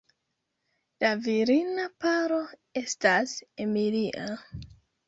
La virina paro estas Emilia.